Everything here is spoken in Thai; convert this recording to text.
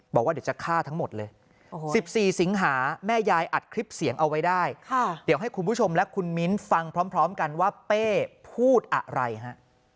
บอกว่าเดี๋ยวจะฆ่าทั้งหมดเลย๑๔สิงหาแม่ยายอัดคลิปเสียงเอาไว้ได้เดี๋ยวให้คุณผู้ชมและคุณมิ้นฟังพร้อมกันว่าเป้พูดอะไรฮะ